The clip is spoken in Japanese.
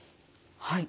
はい。